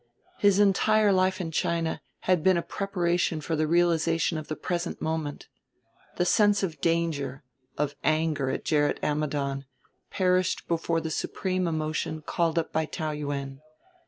His entire life in China had been a preparation for the realization of the present moment. The sense of danger, of anger at Gerrit Ammidon, perished before the supreme emotion called up by Taou Yuen.